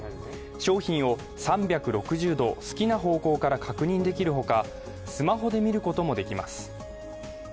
商品を３６０度、好きな方向から確認できるほかスマホで見ることもできます。